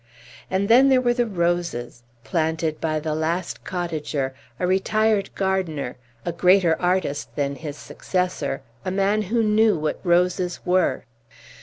And then there were the roses, planted by the last cottager a retired gardener a greater artist than his successor a man who knew what roses were!